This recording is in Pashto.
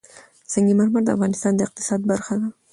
سنگ مرمر د افغانستان د اقتصاد برخه ده.